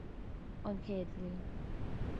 An Chéad Bhliain